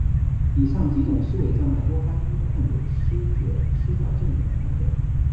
以上几种思维障碍多发于患有思觉失调症的患者。